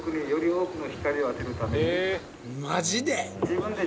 マジで！？